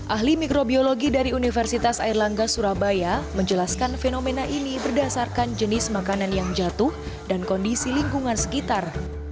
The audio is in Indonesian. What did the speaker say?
ahli mikrobiologi dari universitas airlangga surabaya menjelaskan fenomena ini berdasarkan jenis makanan yang jatuh dan kondisi lingkungan sekitar